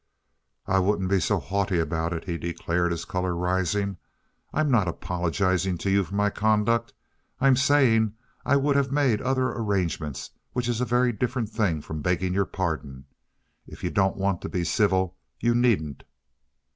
"I wouldn't be so haughty about it," he declared, his color rising. "I'm not apologizing to you for my conduct. I'm saying I would have made other arrangements, which is a very different thing from begging your pardon. If you don't want to be civil, you needn't."